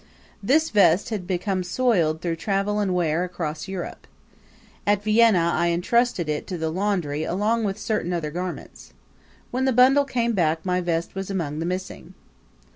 This vest had become soiled through travel and wear across Europe. At Vienna I intrusted it to the laundry along with certain other garments. When the bundle came back my vest was among the missing.